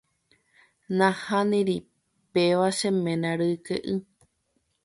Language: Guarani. Nahániri, péva che ména ryke'y.